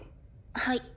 はい。